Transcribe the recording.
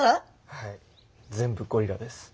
はい全部ゴリラです。